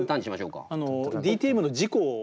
ＤＴＭの事故を。